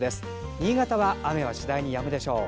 新潟は次第に雨がやむでしょう。